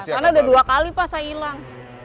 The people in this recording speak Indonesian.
karena udah dua kali pak saya hilang